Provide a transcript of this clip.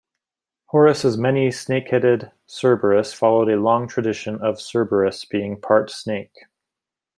Horace's many snake-headed Cerberus followed a long tradition of Cerberus being part snake.